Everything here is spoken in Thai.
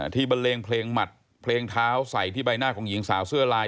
บันเลงเพลงหมัดเพลงเท้าใส่ที่ใบหน้าของหญิงสาวเสื้อลาย